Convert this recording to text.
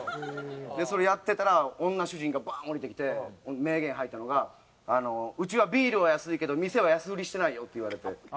それやってたら女主人がバーン降りてきて名言、吐いたのが「うちはビールは安いけど店は安売りしてないよ」って言われて。